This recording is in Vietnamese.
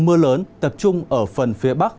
mưa lớn tập trung ở phần phía bắc